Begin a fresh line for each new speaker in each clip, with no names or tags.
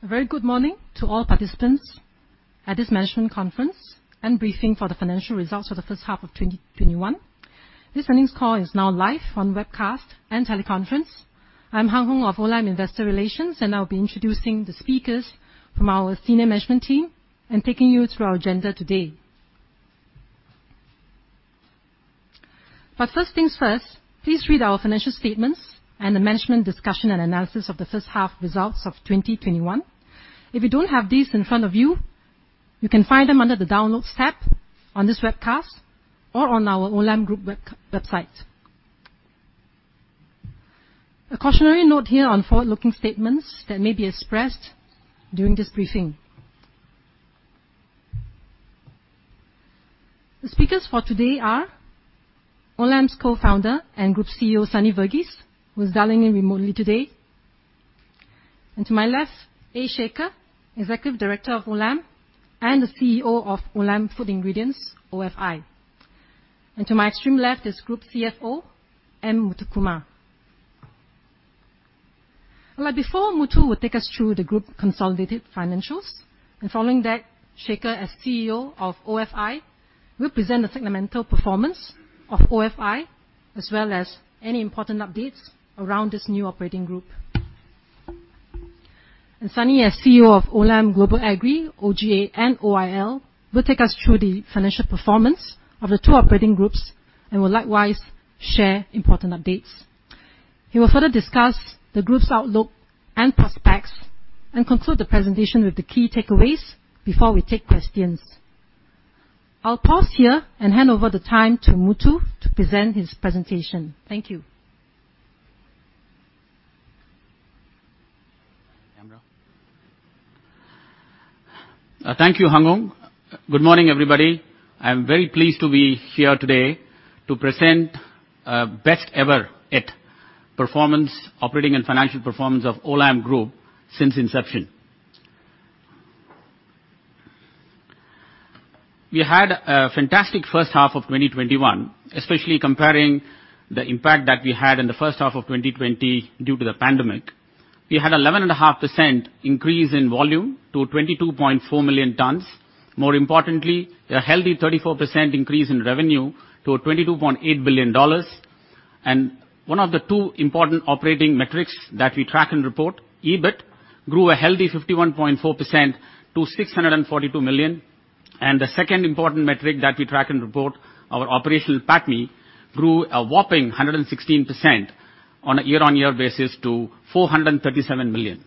A very good morning to all participants at this management conference and briefing for the financial results for the first half of 2021. This earnings call is now live on webcast and teleconference. I'm Hung Hoeng of Olam Investor Relations, and I'll be introducing the speakers from our senior management team and taking you through our agenda today. First things first, please read our financial statements and the management discussion and analysis of the first half results of 2021. If you don't have these in front of you can find them under the Downloads tab on this webcast or on our Olam Group website. A cautionary note here on forward-looking statements that may be expressed during this briefing. The speakers for today are Olam's Co-founder and Group CEO, Sunny Verghese, who is dialing in remotely today. To my left, Shekhar, Executive Director of Olam and the CEO of Olam Food Ingredients, OFI. To my extreme left is Group CFO, N. Muthukumar. Before Muthu will take us through the group consolidated financials, and following that, Shekhar as CEO of OFI, will present the fundamental performance of OFI as well as any important updates around this new operating group. Sunny, as CEO of Olam Global Agri, OGA, and OIL, will take us through the financial performance of the two operating groups and will likewise share important updates. He will further discuss the group's outlook and prospects and conclude the presentation with the key takeaways before we take questions. I'll pause here and hand over the time to Muthu to present his presentation. Thank you.
Thank you, Hung. Good morning, everybody. I'm very pleased to be here today to present best ever IT performance, operating and financial performance of Olam Group since inception. We had a fantastic first half of 2021, especially comparing the impact that we had in the first half of 2020 due to the pandemic. We had 11.5% increase in volume to 22.4 million tons. More importantly, a healthy 34% increase in revenue to $22.8 billion. One of the two important operating metrics that we track and report, EBIT, grew a healthy 51.4% to $642 million, and the second important metric that we track and report, our Operational PATMI, grew a whopping 116% on a year-on-year basis to $437 million.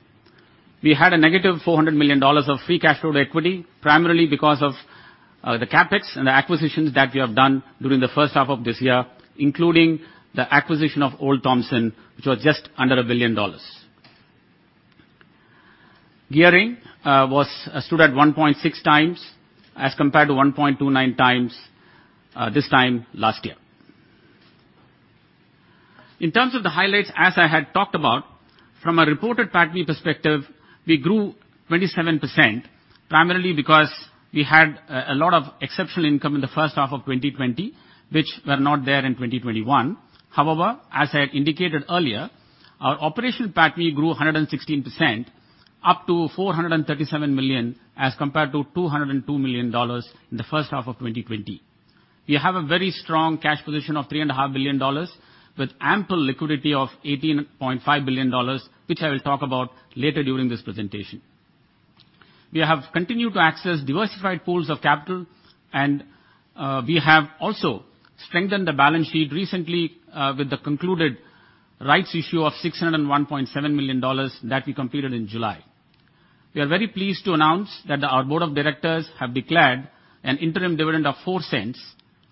We had a negative $400 million of free cash flow to equity, primarily because of the CapEx and the acquisitions that we have done during the first half of this year, including the acquisition of Olde Thompson, which was just under $1 billion. Gearing stood at 1.6 times as compared to 1.29 times this time last year. In terms of the highlights, as I had talked about, from a reported PATMI perspective, we grew 27%, primarily because we had a lot of exceptional income in the first half of 2020, which were not there in 2021. As I had indicated earlier, our operational PATMI grew 116%, up to $437 million as compared to $202 million in the first half of 2020. We have a very strong cash position of $3.5 billion with ample liquidity of $18.5 billion, which I will talk about later during this presentation. We have continued to access diversified pools of capital, and we have also strengthened the balance sheet recently with the concluded rights issue of $601.7 million that we completed in July. We are very pleased to announce that our board of directors have declared an interim dividend of $0.04,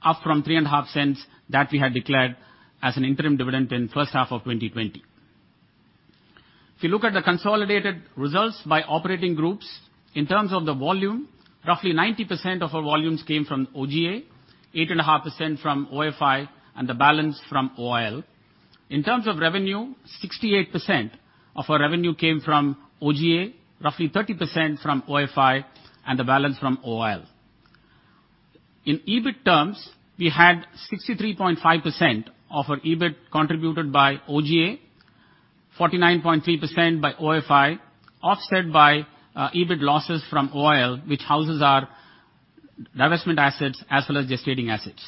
up from $0.03 that we had declared as an interim dividend in first half of 2020. If you look at the consolidated results by operating groups, in terms of the volume, roughly 90% of our volumes came from OGA, 8.5% from OFI and the balance from OIL. In terms of revenue, 68% of our revenue came from OGA, roughly 30% from OFI and the balance from OIL. In EBIT terms, we had 63.5% of our EBIT contributed by OGA, 49.3% by OFI, offset by EBIT losses from OIL, which houses our divestment assets as well as gestating assets.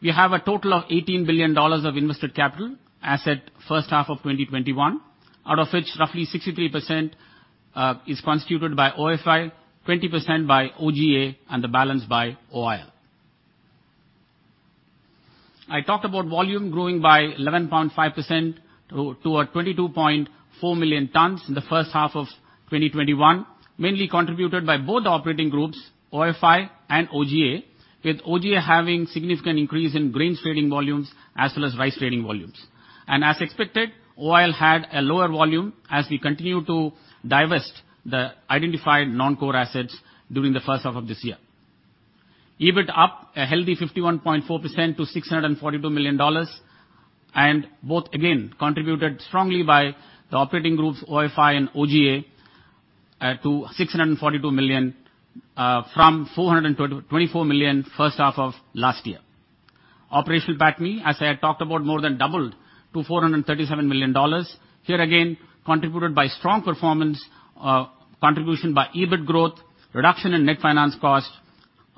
We have a total of $18 billion of invested capital asset first half of 2021, out of which roughly 63% is constituted by OFI, 20% by OGA and the balance by OIL. I talked about volume growing by 11.5% to a 22.4 million tons in the first half of 2021, mainly contributed by both the operating groups, OFI and OGA, with OGA having significant increase in grain trading volumes as well as rice trading volumes. As expected, OIL had a lower volume as we continue to divest the identified non-core assets during the first half of this year. EBIT up a healthy 51.4% to $642 million. Both again, contributed strongly by the operating groups OFI and OGA to $642 million from $424 million first half of last year. Operational PATMI, as I had talked about, more than doubled to $437 million. Here again, contributed by strong performance, contribution by EBIT growth, reduction in net finance cost,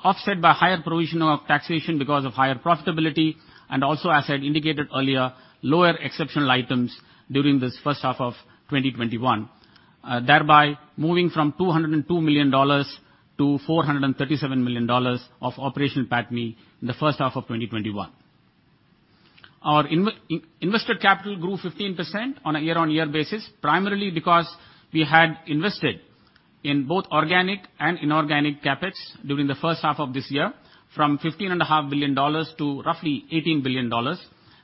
offset by higher provision of taxation because of higher profitability, and also, as I had indicated earlier, lower exceptional items during this first half of 2021, thereby moving from $202 million to $437 million of operational PATMI in the first half of 2021. Our invested capital grew 15% on a year-on-year basis, primarily because we had invested in both organic and inorganic CapEx during the first half of this year, from $15.5 billion to roughly $18 billion.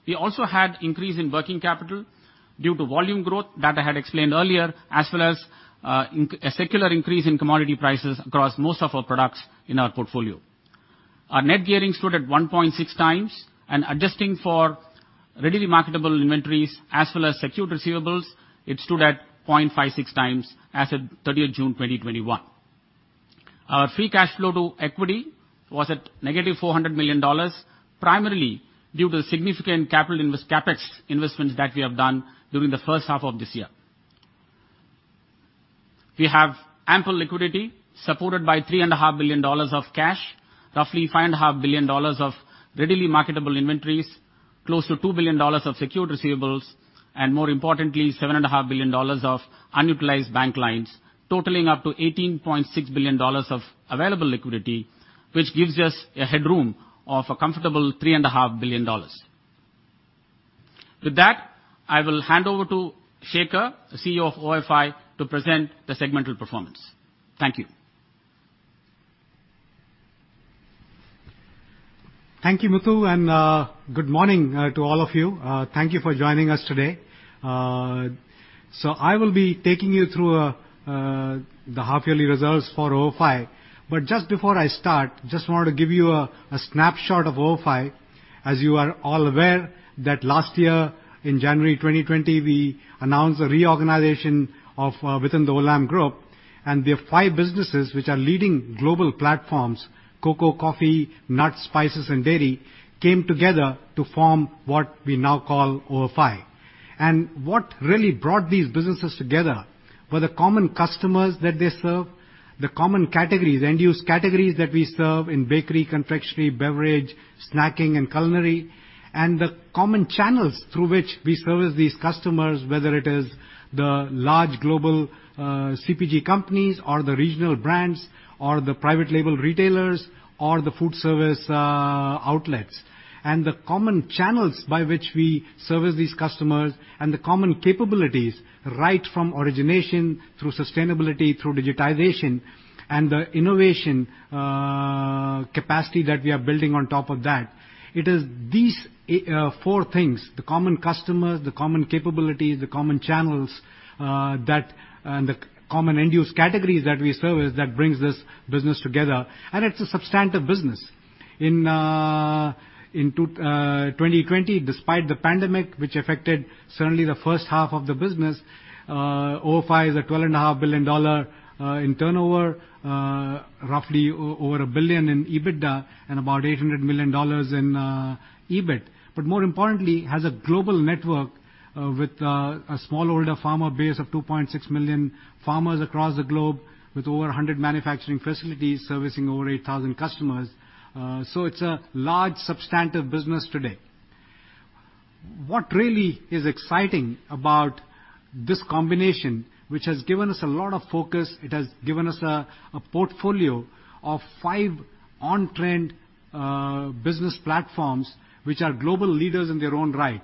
We also had increase in working capital due to volume growth that I had explained earlier, as well as a secular increase in commodity prices across most of our products in our portfolio. Our net gearing stood at 1.6 times, and adjusting for readily marketable inventories as well as secured receivables, it stood at 0.56 times as at 30th June 2021. Our free cash flow to equity was at negative $400 million, primarily due to the significant CapEx investments that we have done during the first half of this year. We have ample liquidity, supported by $3.5 billion of cash, roughly $5.5 billion of readily marketable inventories, close to $2 billion of secured receivables, and more importantly, $7.5 billion of unutilized bank lines, totaling up to $18.6 billion of available liquidity, which gives us a headroom of a comfortable $3.5 billion. With that, I will hand over to Shekhar, CEO of OFI, to present the segmental performance. Thank you.
Thank you, Muthu, and good morning to all of you. Thank you for joining us today. I will be taking you through the half-yearly results for OFI. Just before I start, just wanted to give you a snapshot of OFI. As you are all aware, that last year, in January 2020, we announced a reorganization within the Olam Group, and the five businesses which are leading global platforms, cocoa, coffee, nuts, spices, and dairy, came together to form what we now call OFI. What really brought these businesses together were the common customers that they serve, the common categories, end-use categories that we serve in bakery, confectionery, beverage, snacking, and culinary, and the common channels through which we service these customers, whether it is the large global CPG companies or the regional brands or the private label retailers or the food service outlets. The common channels by which we service these customers and the common capabilities, right from origination through sustainability through digitization and the innovation capacity that we are building on top of that. It is these four things, the common customers, the common capabilities, the common channels, and the common end-use categories that we service that brings this business together, and it's a substantive business. In 2020, despite the pandemic, which affected certainly the first half of the business, OFI is a $12.5 billion in turnover, roughly over $1 billion in EBITDA, and about $800 million in EBIT. More importantly, has a global network with a smallholder farmer base of 2.6 million farmers across the globe with over 100 manufacturing facilities servicing over 8,000 customers. It's a large, substantive business today. What really is exciting about this combination, which has given us a lot of focus, it has given us a portfolio of five on-trend business platforms which are global leaders in their own right.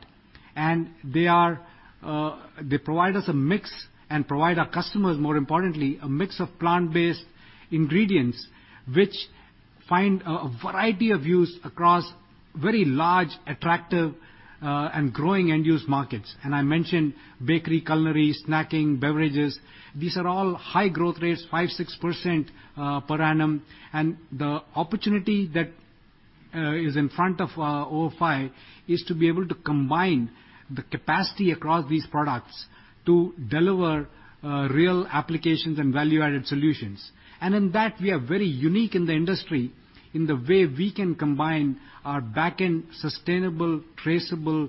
They provide us a mix and provide our customers, more importantly, a mix of plant-based ingredients, which find a variety of use across very large, attractive, and growing end-use markets. I mentioned bakery, culinary, snacking, beverages. These are all high growth rates, 5%, 6% per annum. The opportunity that is in front of OFI is to be able to combine the capacity across these products to deliver real applications and value-added solutions. In that, we are very unique in the industry in the way we can combine our backend sustainable traceable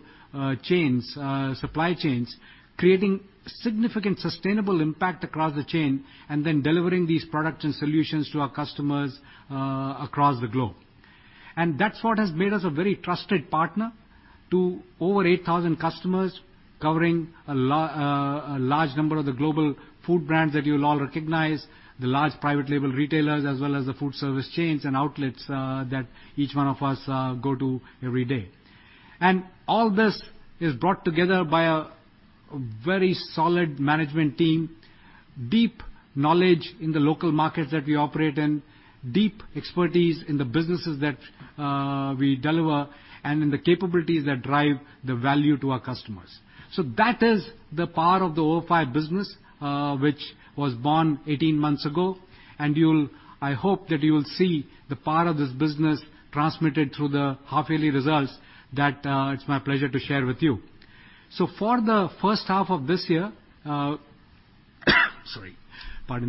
supply chains, creating significant sustainable impact across the chain, and then delivering these products and solutions to our customers across the globe. That's what has made us a very trusted partner to over 8,000 customers, covering a large number of the global food brands that you'll all recognize, the large private label retailers, as well as the food service chains and outlets that each one of us go to every day. All this is brought together by a very solid management team, deep knowledge in the local markets that we operate in, deep expertise in the businesses that we deliver, and in the capabilities that drive the value to our customers. That is the power of the OFI business, which was born 18 months ago, and I hope that you will see the power of this business transmitted through the half-yearly results that it's my pleasure to share with you. Pardon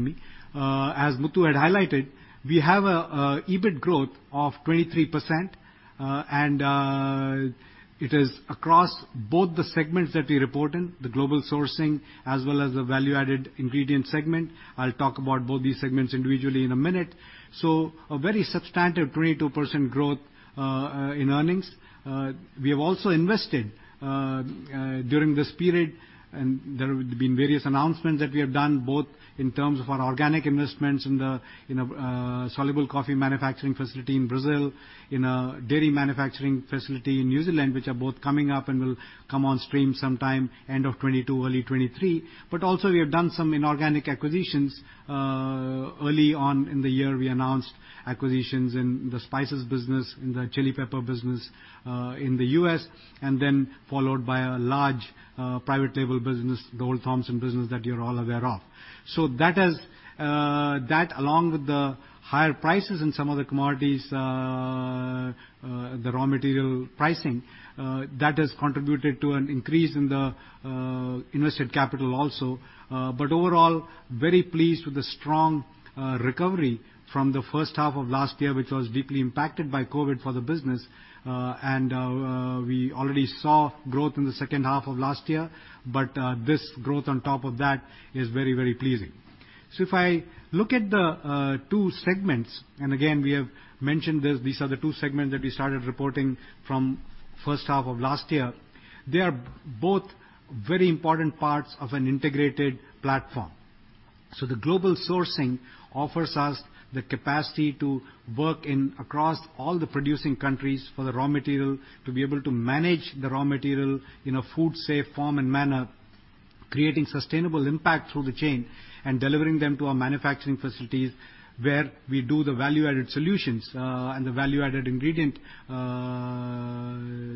me. As Muthu had highlighted, we have a EBIT growth of 23%, and it is across both the segments that we report in, the global sourcing as well as the value-added ingredient segment. I'll talk about both these segments individually in a minute. A very substantive 22% growth in earnings. We have also invested during this period, and there have been various announcements that we have done, both in terms of our organic investments in a soluble coffee manufacturing facility in Brazil, in a dairy manufacturing facility in New Zealand, which are both coming up and will come on stream sometime end of 2022, early 2023. Also we have done some inorganic acquisitions. Early on in the year, we announced acquisitions in the spices business, in the chili pepper business in the U.S., and then followed by a large private label business, the Olde Thompson business that you're all aware of. That along with the higher prices in some of the commodities, the raw material pricing, that has contributed to an increase in the invested capital also. Overall, very pleased with the strong recovery from the first half of last year, which was deeply impacted by COVID-19 for the business. We already saw growth in the second half of last year, but this growth on top of that is very, very pleasing. If I look at the two segments, and again, we have mentioned this, these are the two segments that we started reporting from first half of last year. They are both very important parts of an integrated platform. The global sourcing offers us the capacity to work across all the producing countries for the raw material, to be able to manage the raw material in a food safe form and manner, creating sustainable impact through the chain and delivering them to our manufacturing facilities where we do the value-added solutions and the value-added ingredient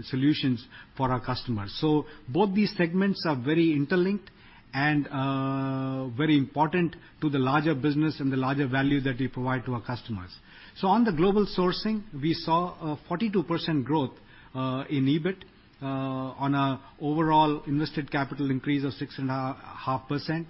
solutions for our customers. Both these segments are very interlinked and very important to the larger business and the larger value that we provide to our customers. On the global sourcing, we saw a 42% growth in EBIT on a overall invested capital increase of 6.5%.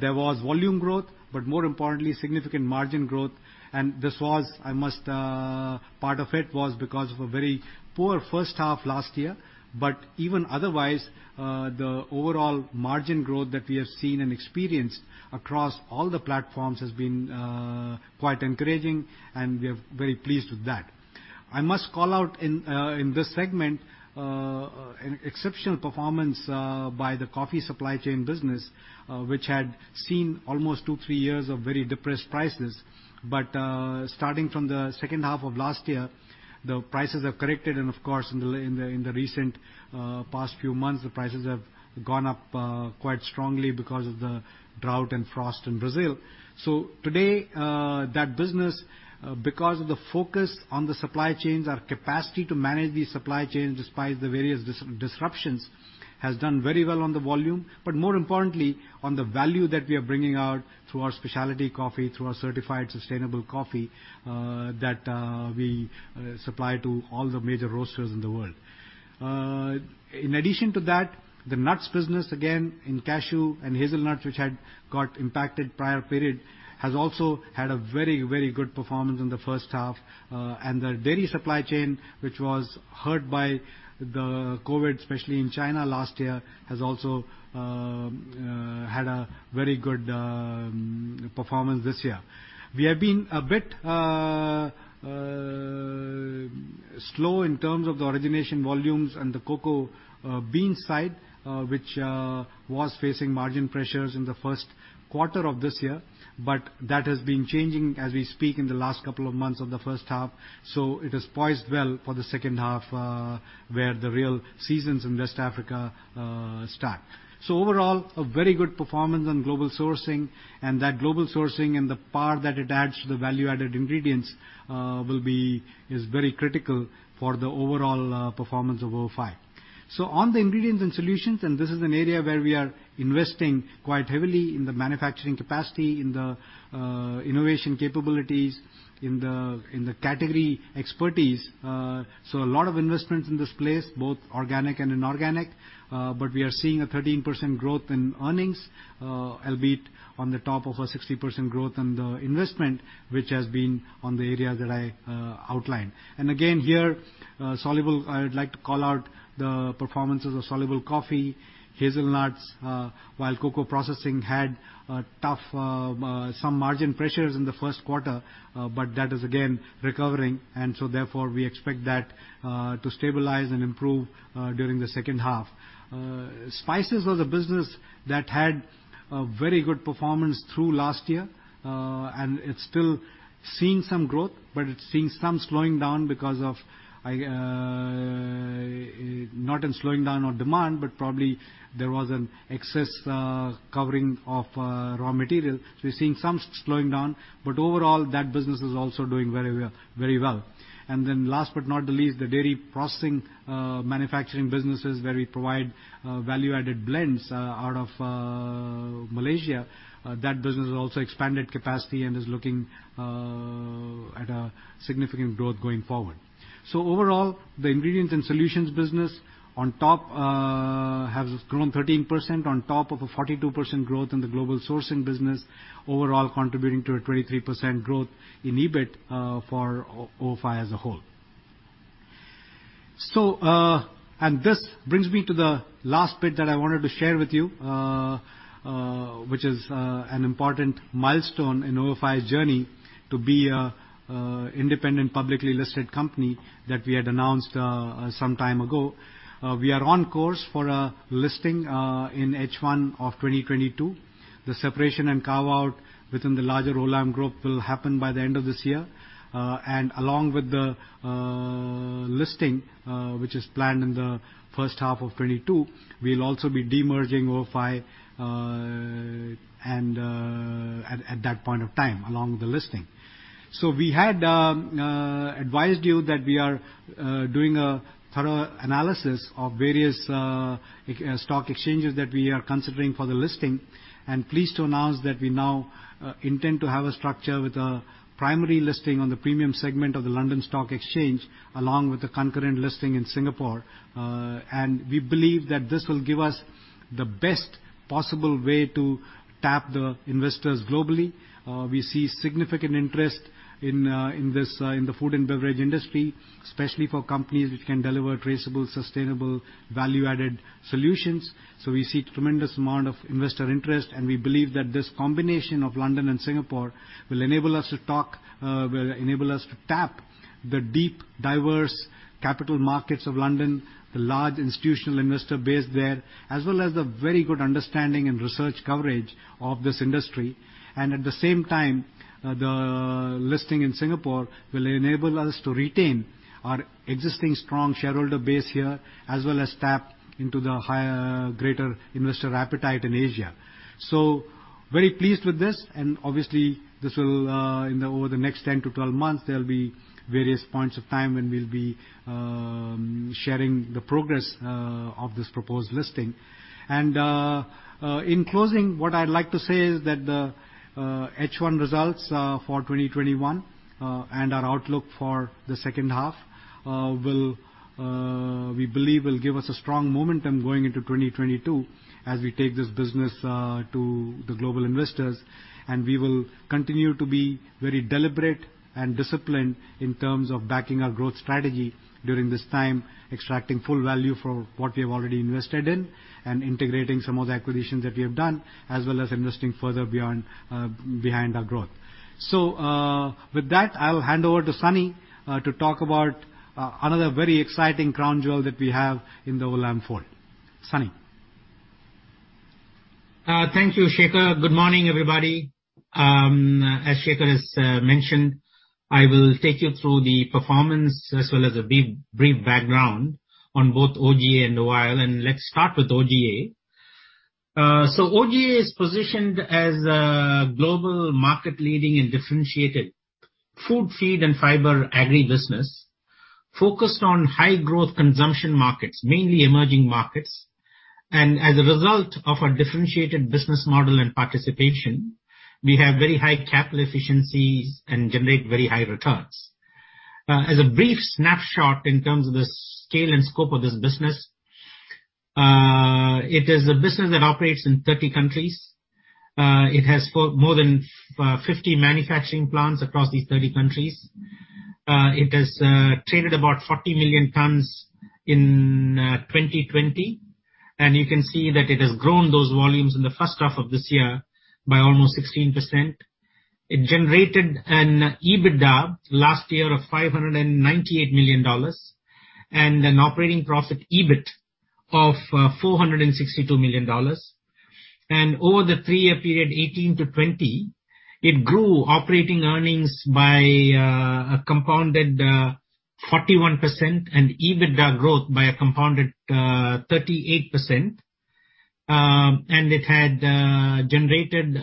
There was volume growth, but more importantly, significant margin growth. Part of it was because of a very poor first half last year, but even otherwise, the overall margin growth that we have seen and experienced across all the platforms has been quite encouraging, and we're very pleased with that. I must call out in this segment exceptional performance by the coffee supply chain business, which had seen almost two, three years of very depressed prices. Starting from the second half of last year, the prices have corrected and of course, in the recent past few months, the prices have gone up quite strongly because of the drought and frost in Brazil. Today, that business, because of the focus on the supply chains, our capacity to manage these supply chains despite the various disruptions, has done very well on the volume, but more importantly on the value that we are bringing out through our specialty coffee, through our certified sustainable coffee, that we supply to all the major roasters in the world. In addition to that, the nuts business, again in cashew and hazelnuts, which had got impacted prior period, has also had a very, very good performance in the first half. The dairy supply chain, which was hurt by the COVID, especially in China last year, has also had a very good performance this year. We have been a bit slow in terms of the origination volumes and the cocoa bean side, which was facing margin pressures in the first quarter of this year. That has been changing as we speak in the last couple of months of the first half. It is poised well for the second half, where the real seasons in West Africa start. Overall, a very good performance on global sourcing, and that global sourcing and the part that it adds to the value-added ingredients is very critical for the overall performance of OFI. On the ingredients and solutions, this is an area where we are investing quite heavily in the manufacturing capacity, in the innovation capabilities, in the category expertise. A lot of investments in this place, both organic and inorganic. We are seeing a 13% growth in earnings, albeit on the top of a 60% growth on the investment, which has been on the area that I outlined. Again, here, I would like to call out the performances of soluble coffee, hazelnuts, while cocoa processing had some margin pressures in the first quarter, but that is again recovering and so therefore we expect that to stabilize and improve during the second half. Spices was a business that had a very good performance through last year, and it's still seeing some growth, not in slowing down on demand, but probably there was an excess covering of raw material. We're seeing some slowing down. Overall, that business is also doing very well. Last but not the least, the dairy processing manufacturing businesses where we provide value-added blends out of Malaysia. That business has also expanded capacity and is looking at a significant growth going forward. Overall, the ingredients and solutions business has grown 13% on top of a 42% growth in the global sourcing business, overall contributing to a 23% growth in EBIT for OFI as a whole. This brings me to the last bit that I wanted to share with you, which is an important milestone in OFI's journey to be an independent, publicly listed company that we had announced some time ago. We are on course for a listing in H1 of 2022. The separation and carve-out within the larger Olam group will happen by the end of this year. Along with the listing, which is planned in the first half of 2022, we'll also be demerging OFI at that point of time, along with the listing. We had advised you that we are doing a thorough analysis of various stock exchanges that we are considering for the listing. Pleased to announce that we now intend to have a structure with a primary listing on the premium segment of the London Stock Exchange, along with the concurrent listing in Singapore. We believe that this will give us the best possible way to tap the investors globally. We see significant interest in the food and beverage industry, especially for companies which can deliver traceable, sustainable, value-added solutions. We see tremendous amount of investor interest, and we believe that this combination of London and Singapore will enable us to tap the deep, diverse capital markets of London, the large institutional investor base there, as well as the very good understanding and research coverage of this industry. At the same time, the listing in Singapore will enable us to retain our existing strong shareholder base here, as well as tap into the greater investor appetite in Asia. Very pleased with this, and obviously this will, over the next 10-12 months, there'll be various points of time when we'll be sharing the progress of this proposed listing. In closing, what I'd like to say is that the H1 results for 2021, and our outlook for the second half, we believe will give us a strong momentum going into 2022 as we take this business to the global investors. We will continue to be very deliberate and disciplined in terms of backing our growth strategy during this time, extracting full value for what we have already invested in, and integrating some of the acquisitions that we have done, as well as investing further behind our growth. With that, I will hand over to Sunny to talk about another very exciting crown jewel that we have in the Olam food. Sunny?
Thank you, Shekhar. Good morning, everybody. As Shekhar has mentioned, I will take you through the performance as well as a brief background on both OGA and OIL. Let's start with OGA. OGA is positioned as a global market-leading and differentiated food, feed, and fiber agribusiness focused on high-growth consumption markets, mainly emerging markets. As a result of our differentiated business model and participation, we have very high capital efficiencies and generate very high returns. As a brief snapshot in terms of the scale and scope of this business, it is a business that operates in 30 countries. It has more than 50 manufacturing plants across these 30 countries. It has traded about 40 million tons in 2020, and you can see that it has grown those volumes in the first half of this year by almost 16%. It generated an EBITDA last year of $598 million and an operating profit, EBIT, of $462 million. Over the three-year period 2018-2020, it grew operating earnings by a compounded 41% and EBITDA growth by a compounded 38%. It had generated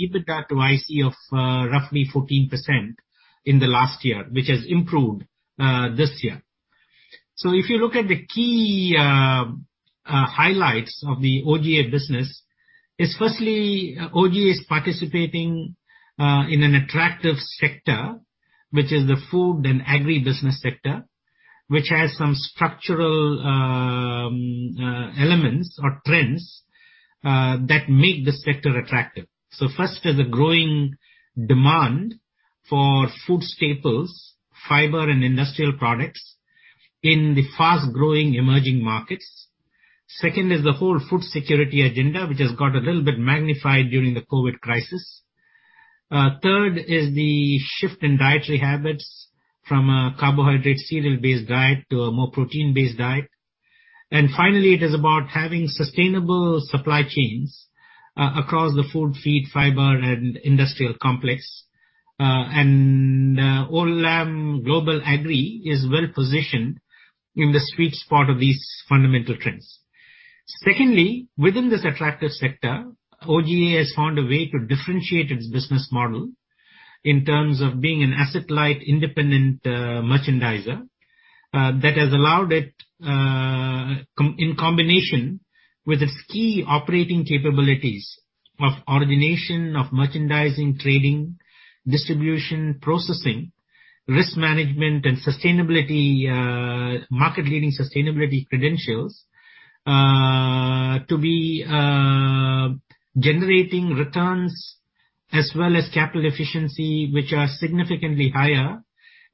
EBITDA to IC of roughly 14% in the last year, which has improved this year. If you look at the key highlights of the OGA business is firstly, OGA is participating in an attractive sector, which is the food and agribusiness sector, which has some structural elements or trends that make the sector attractive. First, there's a growing demand for food staples, fiber, and industrial products in the fast-growing emerging markets. Second is the whole food security agenda, which has got a little bit magnified during the COVID crisis. Third is the shift in dietary habits from a carbohydrate, cereal-based diet to a more protein-based diet. Finally, it is about having sustainable supply chains across the food, feed, fiber, and industrial complex. Olam Global Agri is well positioned in the sweet spot of these fundamental trends. Secondly, within this attractive sector, OGA has found a way to differentiate its business model in terms of being an asset-light, independent merchandiser that has allowed it in combination with its key operating capabilities of origination, of merchandising, trading, distribution, processing, risk management, and market-leading sustainability credentials to be generating returns as well as capital efficiency, which are significantly higher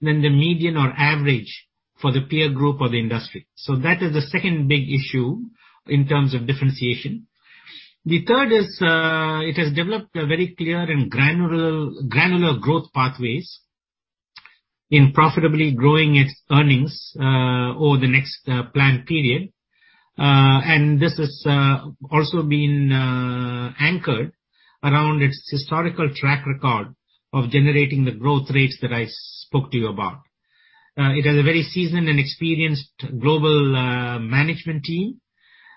than the median or average for the peer group or the industry. That is the second big issue in terms of differentiation. The third is, it has developed a very clear and granular growth pathways in profitably growing its earnings over the next planned period. This has also been anchored around its historical track record of generating the growth rates that I spoke to you about. It has a very seasoned and experienced global management team.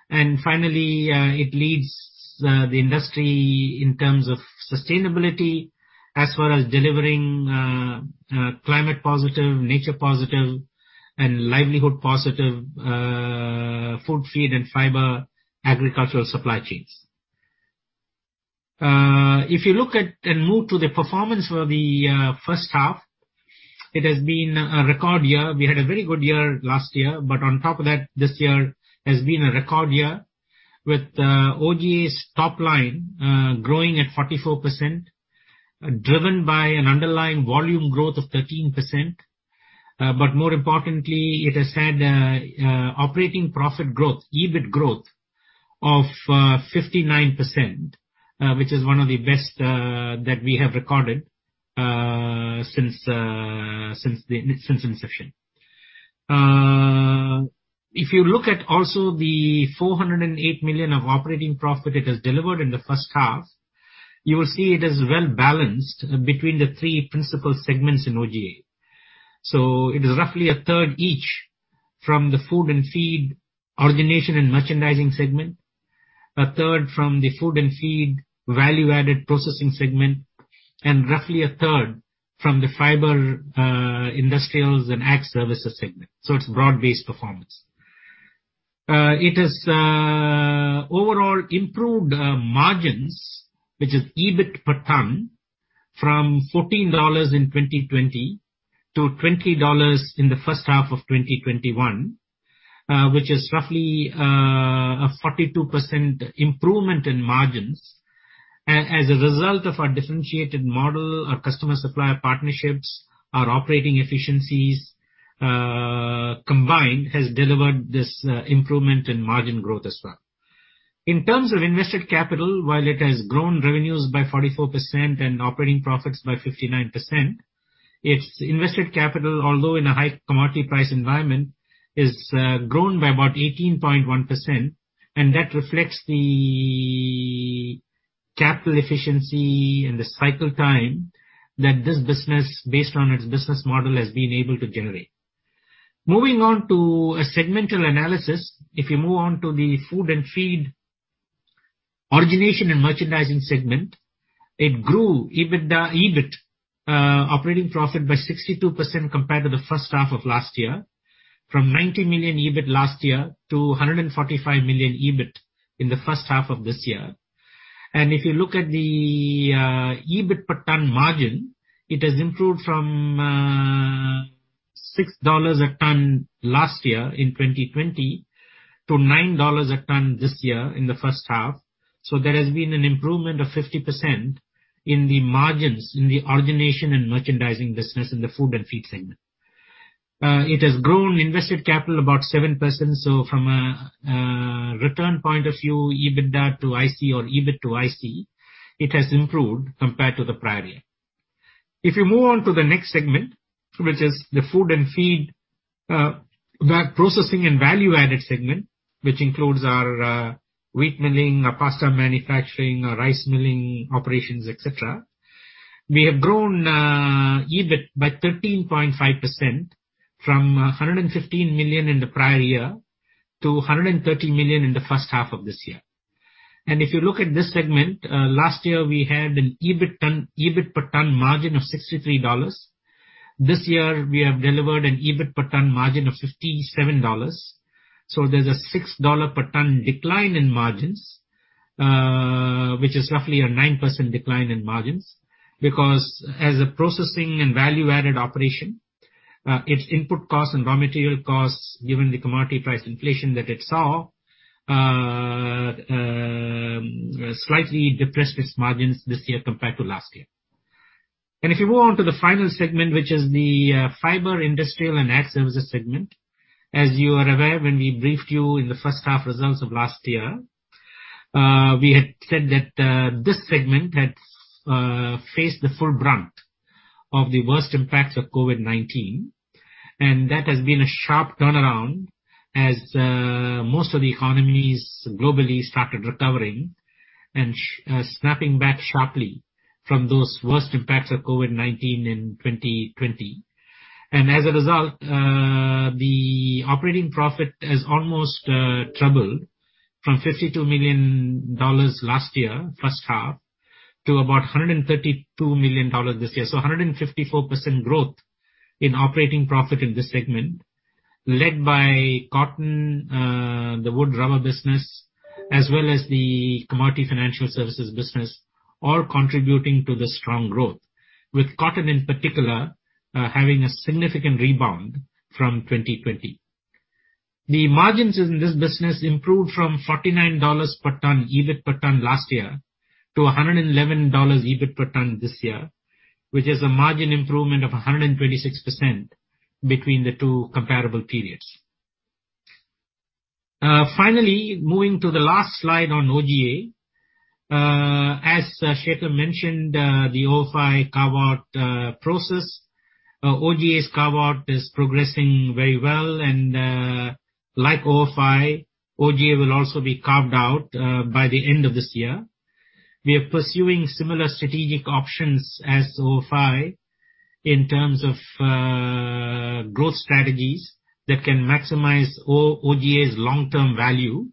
Finally, it leads the industry in terms of sustainability as well as delivering climate positive, nature positive, and livelihood positive food, feed, and fiber agricultural supply chains. If you look at and move to the performance for the first half, it has been a record year. We had a very good year last year, but on top of that, this year has been a record year with OGA's top line growing at 44%, driven by an underlying volume growth of 13%. More importantly, it has had operating profit growth, EBIT growth of 59%, which is one of the best that we have recorded since its inception. If you look at also the $408 million of operating profit it has delivered in the first half, you will see it is well-balanced between the three principal segments in OGA. it is roughly a third each from the food and feed origination and merchandising segment, a third from the food and feed value-added processing segment, and roughly a third from the fiber industrials and ag services segment. it's broad-based performance. It has overall improved margins, which is EBIT per ton from $14 in 2020 to $20 in the first half of 2021, which is roughly a 42% improvement in margins. As a result of our differentiated model, our customer supplier partnerships, our operating efficiencies, combined has delivered this improvement in margin growth as well. In terms of invested capital, while it has grown revenues by 44% and operating profits by 59%, its invested capital, although in a high commodity price environment, has grown by about 18.1%. That reflects the capital efficiency and the cycle time that this business, based on its business model, has been able to generate. Moving on to a segmental analysis. If you move on to the food and feed origination and merchandising segment, it grew EBIT operating profit by 62% compared to the first half of last year, from $90 million EBIT last year to $145 million EBIT in the first half of this year. If you look at the EBIT per ton margin, it has improved from $6 a ton last year in 2020 to $9 a ton this year in the first half. There has been an improvement of 50% in the margins in the origination and merchandising business in the food and feed segment. It has grown invested capital about 7%. From a return point of view, EBITDA to IC or EBIT to IC, it has improved compared to the prior year. If you move on to the next segment, which is the food and feed processing and value-added segment, which includes our wheat milling, our pasta manufacturing, our rice milling operations, et cetera. We have grown EBIT by 13.5%, from $115 million in the prior year to $130 million in the first half of this year. If you look at this segment, last year we had an EBIT per ton margin of $63. This year, we have delivered an EBIT per ton margin of $57. There's a $6 per ton decline in margins, which is roughly a 9% decline in margins. Because as a processing and value-added operation, its input costs and raw material costs, given the commodity price inflation that it saw, slightly depressed its margins this year compared to last year. If you move on to the final segment, which is the fiber, industrial, and ag services segment. As you are aware, when we briefed you in the first half results of last year, we had said that this segment had faced the full brunt of the worst impacts of COVID-19. That has been a sharp turnaround as most of the economies globally started recovering and snapping back sharply from those worst impacts of COVID-19 in 2020. As a result, the operating profit has almost trebled from $52 million last year, first half, to about $132 million this year. 154% growth in operating profit in this segment, led by cotton, the wood rubber business, as well as the commodity financial services business, all contributing to the strong growth, with cotton in particular, having a significant rebound from 2020. The margins in this business improved from $49 per ton, EBIT per ton last year, to $111 EBIT per ton this year, which is a margin improvement of 126% between the two comparable periods. Finally, moving to the last slide on OGA. As Shekhar mentioned, the OFI carve-out process. OGA's carve-out is progressing very well and, like OFI, OGA will also be carved out by the end of this year. We are pursuing similar strategic options as OFI in terms of growth strategies that can maximize OGA's long-term value,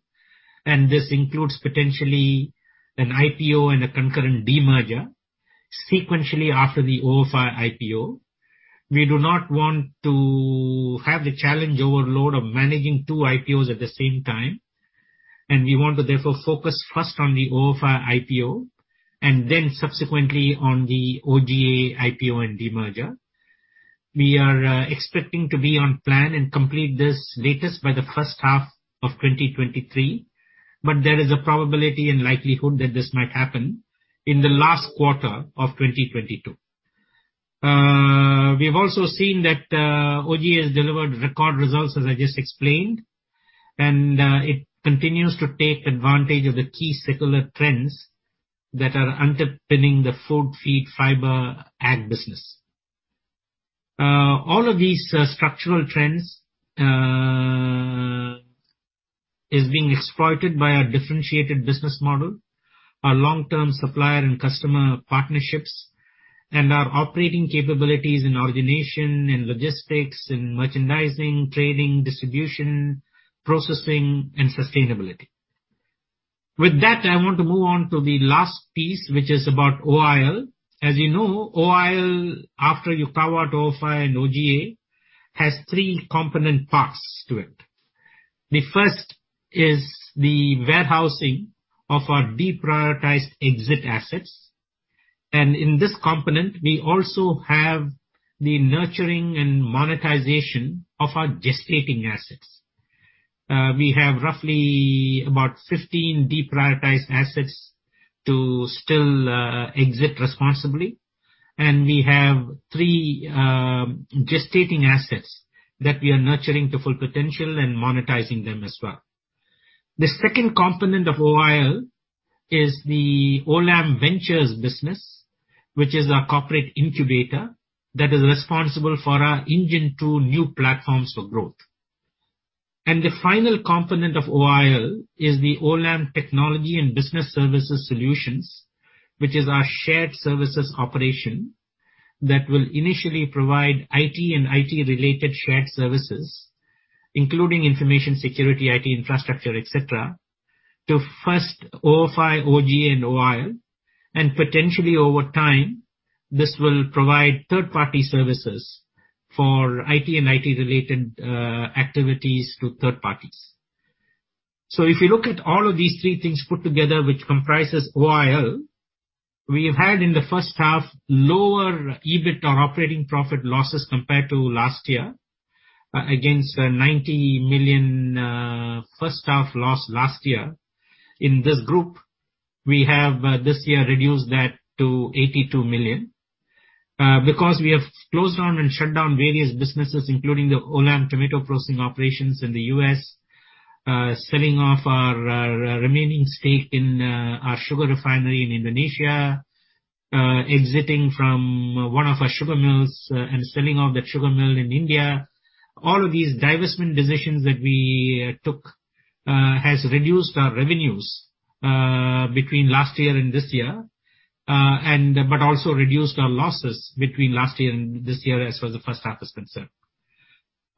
and this includes potentially an IPO and a concurrent demerger sequentially after the OFI, IPO. We do not want to have the challenge overload of managing two IPO's at the same time, and we want to therefore focus first on the OFI, IPO and then subsequently on the OGA, IPO and demerger. We are expecting to be on plan and complete this latest by the first half of 2023, but there is a probability and likelihood that this might happen in the last quarter of 2022. We have also seen that OGA has delivered record results, as I just explained, and it continues to take advantage of the key secular trends that are underpinning the food, feed, fiber, ag business. All of these structural trends is being exploited by our differentiated business model, our long-term supplier and customer partnerships, and our operating capabilities in origination, in logistics, in merchandising, trading, distribution, processing, and sustainability. With that, I want to move on to the last piece, which is about OIL. As you know, OIL, after you carve out OFI and OGA, has three component parts to it. The first is the warehousing of our deprioritized exit assets. In this component, we also have the nurturing and monetization of our gestating assets. We have roughly about 15 deprioritized assets to still exit responsibly. We have three gestating assets that we are nurturing to full potential and monetizing them as well. The second component of OIL is the Olam Ventures business, which is our corporate incubator that is responsible for our Engine Two new platforms for growth. The final component of OIL is the Olam Technology and Business Services Solutions, which is our shared services operation that will initially provide IT and IT-related shared services, including information security, IT infrastructure, et cetera, to first OFI, OGA, and OIL, and potentially over time, this will provide third-party services for IT and IT-related activities to third parties. If you look at all of these three things put together, which comprises OIL, we have had in the first half, lower EBIT or operating profit losses compared to last year against $90 million first-half loss last year. In this group, we have this year reduced that to 82 million because we have closed down and shut down various businesses, including the Olam tomato processing operations in the U.S., selling off our remaining stake in our sugar refinery in Indonesia, exiting from one of our sugar mills and selling off that sugar mill in India. All of these divestment decisions that we took has reduced our revenues between last year and this year but also reduced our losses between last year and this year as far as the first half is concerned.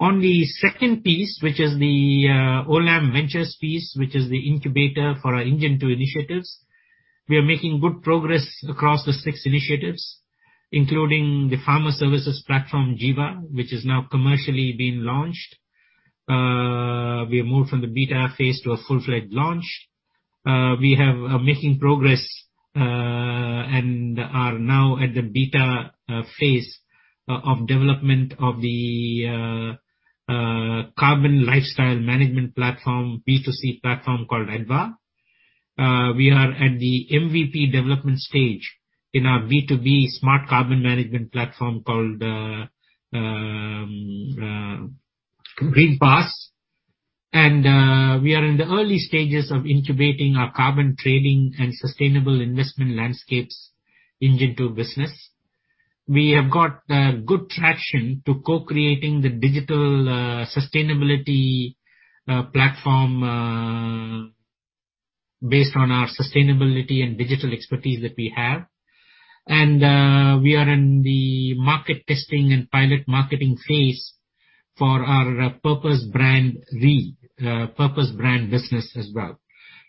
On the second piece, which is the Olam Ventures piece, which is the incubator for our Engine Two initiatives. We are making good progress across the six initiatives, including the farmer services platform, Jiva, which is now commercially being launched. We have moved from the beta phase to a full-fledged launch. We are making progress and are now at the beta phase of development of the carbon lifestyle management platform, B2C platform called Edva. We are at the MVP development stage in our B2B smart carbon management platform called GreenPass. We are in the early stages of incubating our carbon trading and sustainable investment landscapes Engine Two business. We have got good traction to co-creating the digital sustainability platform based on our sustainability and digital expertise that we have. We are in the market testing and pilot marketing phase for our purpose brand business as well.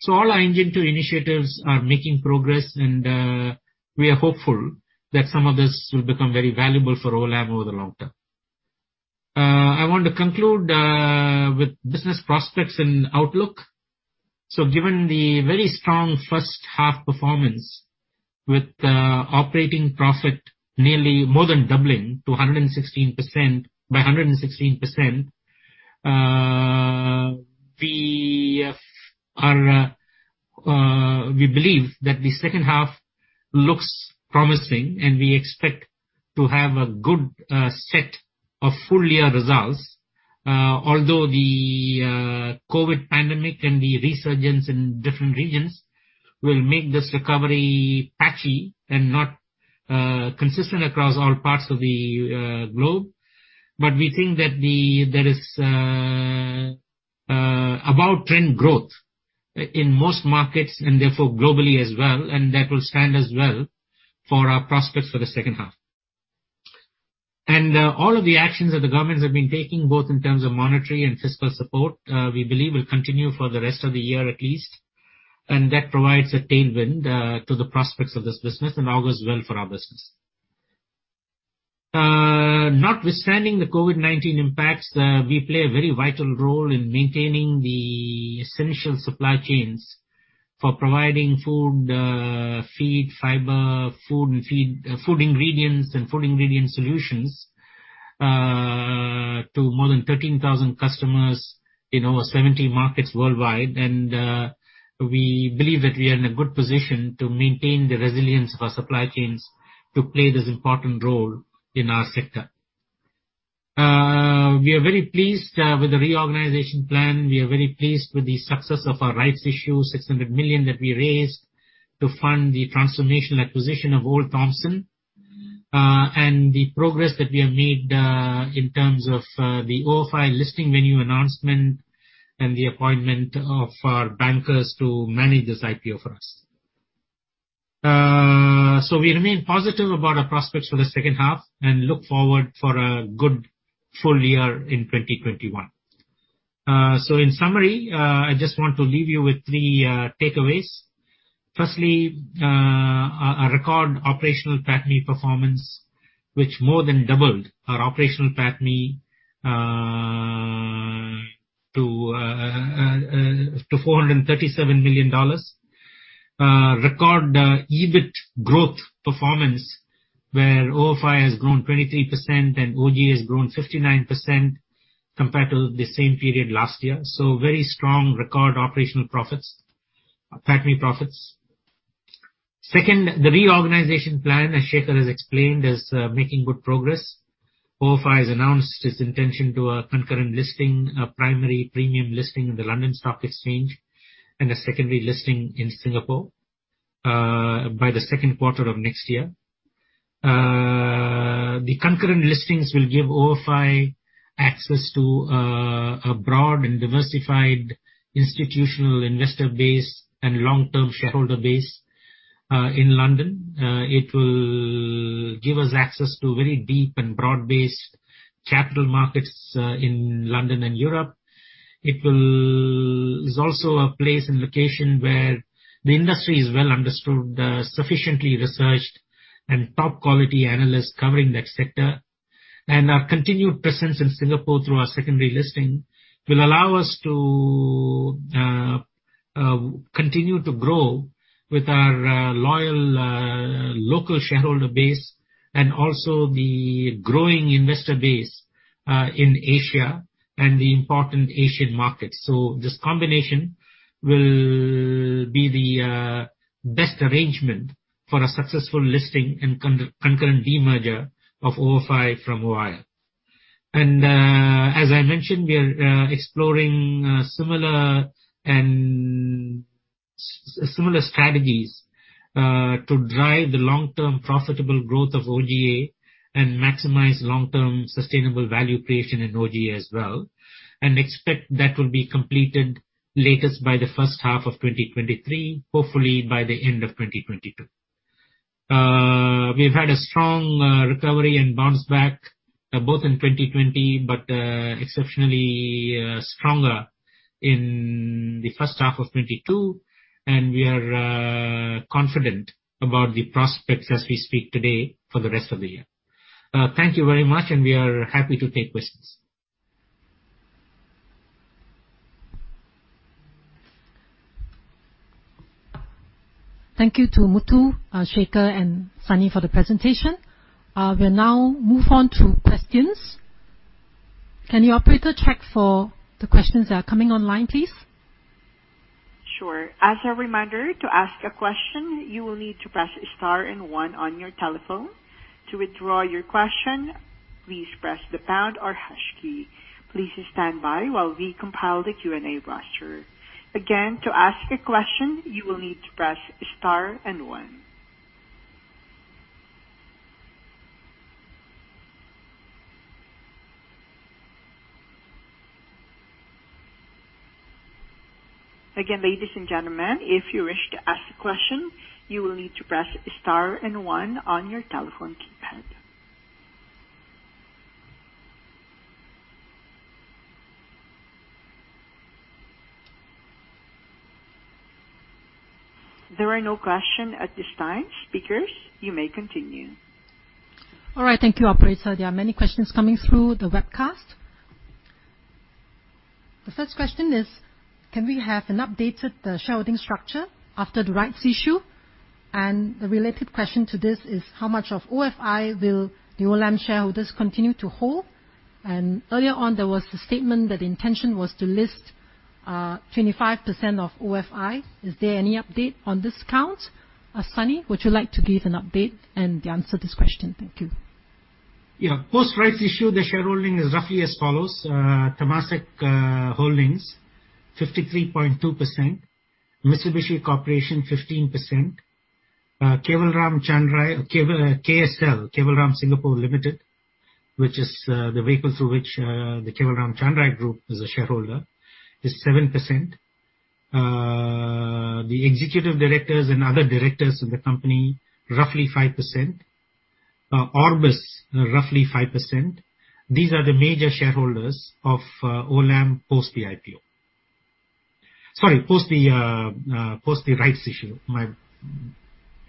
All our Engine Two initiatives are making progress, and we are hopeful that some of this will become very valuable for Olam over the long term. I want to conclude with business prospects and outlook. Given the very strong first half performance with operating profit nearly more than doubling by 116%, we believe that the second half looks promising, and we expect to have a good set of full year results although the COVID pandemic and the resurgence in different regions will make this recovery patchy and not consistent across all parts of the globe. We think that there is above trend growth in most markets, and therefore globally as well, and that will stand us well for our prospects for the second half. All of the actions that the governments have been taking, both in terms of monetary and fiscal support, we believe will continue for the rest of the year at least. That provides a tailwind to the prospects of this business and bodes well for our business. Notwithstanding the COVID-19 impacts, we play a very vital role in maintaining the essential supply chains for providing food, feed, fiber, food ingredients, and food ingredient solutions to more than 13,000 customers in over 70 markets worldwide. We believe that we are in a good position to maintain the resilience of our supply chains to play this important role in our sector. We are very pleased with the reorganization plan. We are very pleased with the success of our rights issue, $600 million that we raised to fund the transformational acquisition of Olde Thompson. The progress that we have made in terms of the OFI listing venue announcement and the appointment of our bankers to manage this IPO for us. We remain positive about our prospects for the second half and look forward for a good full year in 2021. In summary, I just want to leave you with three takeaways. Firstly, a record operational PATMI performance, which more than doubled our operational PATMI to $437 million. Record EBIT growth performance, where OFI has grown 23% and OGA has grown 59% compared to the same period last year. Very strong record operational PATMI profits. Second, the reorganization plan, as Shekhar has explained, is making good progress. OFI has announced its intention to a concurrent listing, a primary premium listing in the London Stock Exchange and a secondary listing in Singapore by the second quarter of next year. The concurrent listings will give OFI access to a broad and diversified institutional investor base and long-term shareholder base in London. It will give us access to very deep and broad-based capital markets in London and Europe. It is also a place and location where the industry is well understood, sufficiently researched, and top quality analysts covering that sector. Our continued presence in Singapore through our secondary listing will allow us to continue to grow with our loyal local shareholder base and also the growing investor base in Asia and the important Asian markets. This combination will be the best arrangement for a successful listing and concurrent demerger of OFI from OIL. As I mentioned, we are exploring similar strategies to drive the long-term profitable growth of OGA and maximize long-term sustainable value creation in OGA as well, and expect that will be completed latest by the first half of 2023, hopefully by the end of 2022. We've had a strong recovery and bounce back, both in 2020, but exceptionally stronger in the first half of 2022, and we are confident about the prospects as we speak today for the rest of the year. Thank you very much, and we are happy to take questions.
Thank you to Muthu, Shekhar, and Sunny for the presentation. We'll now move on to questions. Can the operator check for the questions that are coming online, please?
Sure. As a reminder, to ask a question, you will need to press star and one on your telephone. To withdraw your question, please press the pound or hash key. Please stand by while we compile the Q&A roster. Again, to ask a question, you will need to press star and one. Again, ladies and gentlemen, if you wish to ask a question, you will need to press star and one on your telephone keypad. There are no questions at this time. Speakers, you may continue.
All right. Thank you, operator. There are many questions coming through the webcast. The first question is, can we have an updated shareholding structure after the rights issue? The related question to this is, how much of OFI will the Olam shareholders continue to hold? Earlier on, there was the statement that the intention was to list 25% of OFI. Is there any update on this count? Sunny, would you like to give an update and answer this question? Thank you.
Yeah. Post-rights issue, the shareholding is roughly as follows. Temasek Holdings 53.2%. Mitsubishi Corporation 15%. KSL, Kewalram Singapore Limited, which is the vehicle through which the Kewalram Chanrai Group is a shareholder, is 7%. The executive directors and other directors of the company, roughly 5%. Orbis, roughly 5%. These are the major shareholders of Olam post the IPO. Sorry, post the rights issue.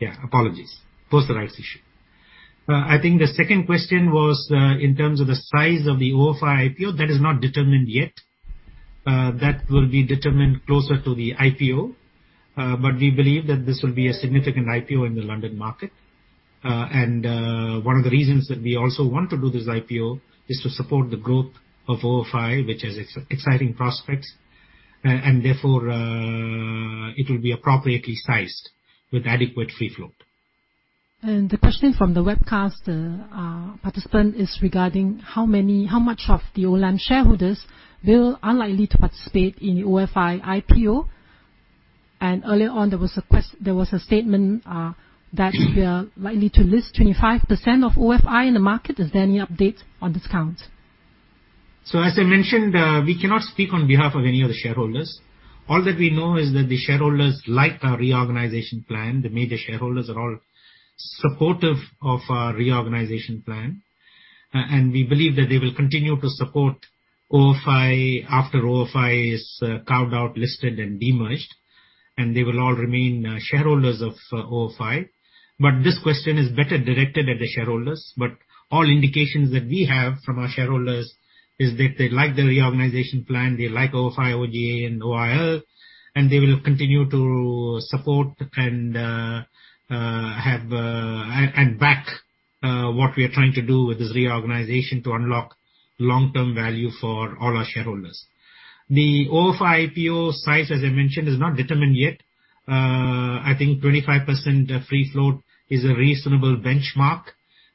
Yeah, apologies. Post the rights issue. I think the second question was, in terms of the size of the OFI, IPO, that is not determined yet. That will be determined closer to the IPO. But we believe that this will be a significant IPO in the London market. One of the reasons that we also want to do this IPO is to support the growth of OFI, which has exciting prospects. Therefore, it will be appropriately sized with adequate free float.
The question from the webcast participant is regarding how much of the Olam shareholders will are likely to participate in the OFI, IPO. earlier on, there was a statement that they are likely to list 25% of OFI in the market. Is there any update on this count?
As I mentioned, we cannot speak on behalf of any other shareholders. All that we know is that the shareholders like our reorganization plan, the major shareholders are all supportive of our reorganization plan. We believe that they will continue to support OFI after OFI is carved out, listed, and de-merged, and they will all remain shareholders of OFI. This question is better directed at the shareholders. All indications that we have from our shareholders is that they like the reorganization plan, they like OFI, OGA, and OIL, and they will continue to support and back what we are trying to do with this reorganization to unlock long-term value for all our shareholders. The OFI, IPO size, as I mentioned, is not determined yet. I think 25% free float is a reasonable benchmark,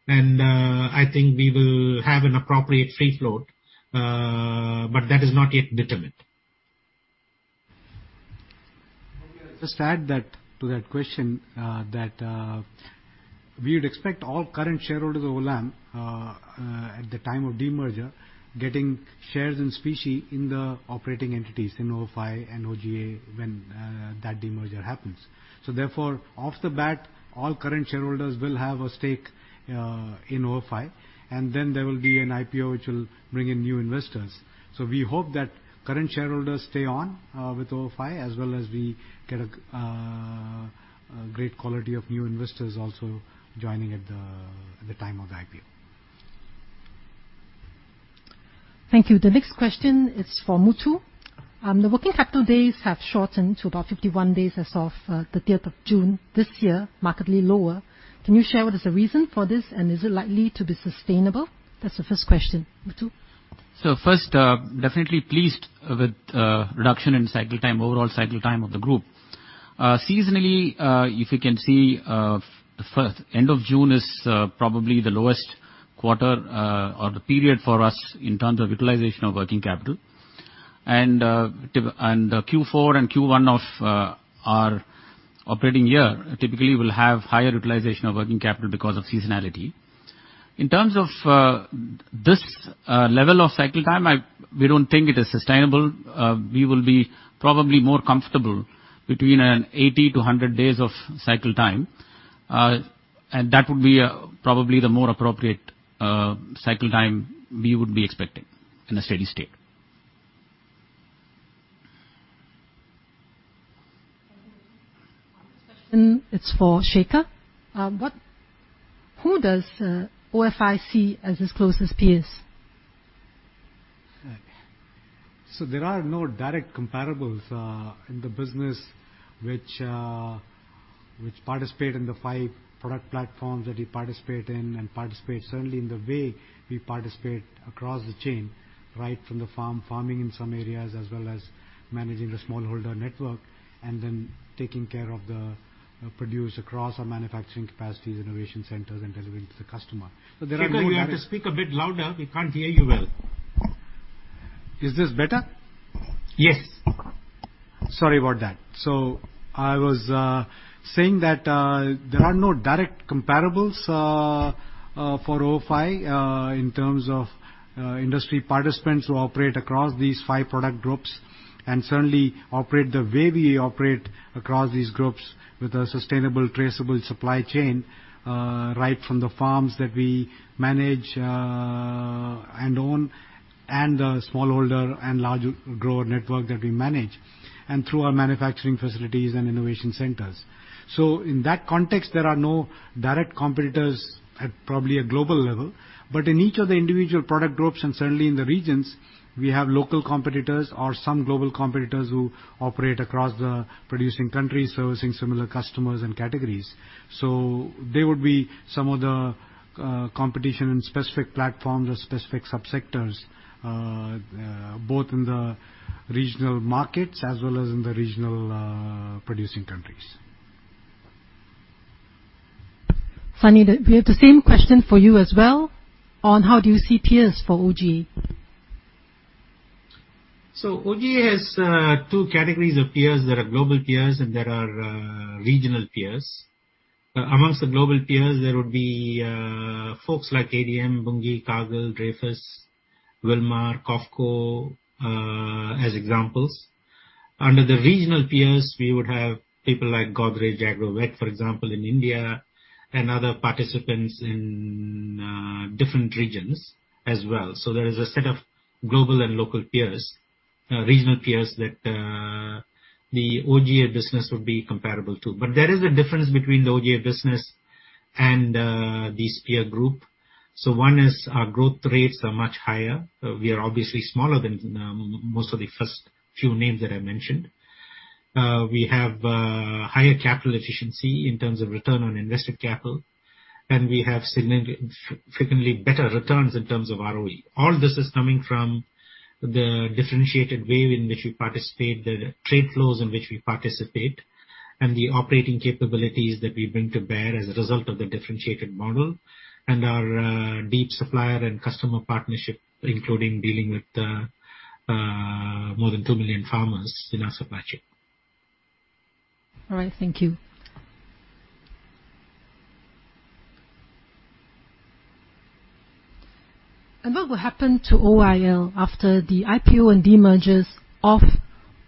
and I think we will have an appropriate free float. That is not yet determined.
Maybe I'll just add to that question that we would expect all current shareholders of Olam at the time of de-merger getting shares in specie in the operating entities in OFI and OGA when that de-merger happens. Therefore, off the bat, all current shareholders will have a stake in OFI, and then there will be an IPO, which will bring in new investors. We hope that current shareholders stay on with OFI as well as we get a great quality of new investors also joining at the time of the IPO.
Thank you. The next question is for Muthu. The working capital days have shortened to about 51 days as of the third of June this year, markedly lower. Can you share what is the reason for this, and is it likely to be sustainable? That's the first question. Muthu?
First, definitely pleased with reduction in cycle time, overall cycle time of the group. Seasonally, if you can see, the end of June is probably the lowest quarter or the period for us in terms of utilization of working capital. Q4 and Q1 of our operating year typically will have higher utilization of working capital because of seasonality. In terms of this level of cycle time, we don't think it is sustainable. We will be probably more comfortable between 80-100 days of cycle time. That would be probably the more appropriate cycle time we would be expecting in a steady state.
Thank you. The next question, it's for Shekhar. Who does OFI see as its closest peers?
There are no direct comparables in the business which participate in the five product platforms that we participate in and participate certainly in the way we participate across the chain, right from the farm, farming in some areas, as well as managing the smallholder network and then taking care of the produce across our manufacturing capacities, innovation centers, and delivering to the customer.
Shekhar, you have to speak a bit louder. We can't hear you well.
Is this better?
Yes. Sorry about that. I was saying that there are no direct comparables for OFI in terms of industry participants who operate across these five product groups, and certainly operate the way we operate across these groups with a sustainable, traceable supply chain, right from the farms that we manage and own, and the smallholder and large grower network that we manage, and through our manufacturing facilities and innovation centers. In that context, there are no direct competitors at probably a global level. In each of the individual product groups, and certainly in the regions, we have local competitors or some global competitors who operate across the producing countries, servicing similar customers and categories. They would be some of the competition in specific platforms or specific subsectors, both in the regional markets as well as in the regional producing countries.
Sunny, we have the same question for you as well on how do you see peers for OGA?
OGA has two categories of peers. There are global peers, and there are regional peers. Amongst the global peers, there would be folks like ADM, Bunge, Cargill, Dreyfus, Wilmar, COFCO, as examples. Under the regional peers, we would have people like Godrej Agrovet, for example, in India, and other participants in different regions as well. There is a set of global and local peers, regional peers that the OGA business would be comparable to. There is a difference between the OGA business and this peer group. One is our growth rates are much higher. We are obviously smaller than most of the first few names that I mentioned. We have higher capital efficiency in terms of return on invested capital, and we have significantly better returns in terms of ROE. All this is coming from the differentiated way in which we participate, the trade flows in which we participate, and the operating capabilities that we bring to bear as a result of the differentiated model. our deep supplier and customer partnership, including dealing with more than two million farmers in our supply chain.
All right. Thank you. What will happen to OIL after the IPO and demergers of